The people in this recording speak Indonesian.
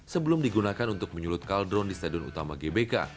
sebelum digunakan untuk menyulut kaldron di stadion utama gbk